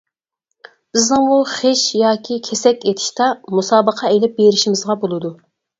بىزنىڭمۇ خىش ياكى كېسەك ئېتىشتا مۇسابىقە ئېلىپ بېرىشىمىزغا بولىدۇ.